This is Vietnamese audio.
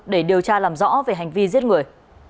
để điều tra làm rõ về hành vi giết người